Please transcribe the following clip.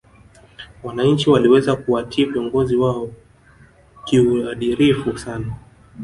wananchi waliweza kuwatii viongozi wao kiuadirifu sana